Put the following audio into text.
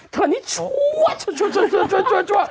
เธอนี่ชัวร์